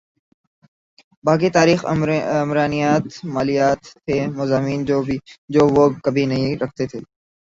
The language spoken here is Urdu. باقی تاریخ عمرانیات مالیات تھے مضامین جو وہ کبھی نہیں رکھتے تھے